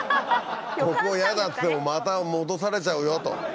ここは嫌だって言ってもまた戻されちゃうよと。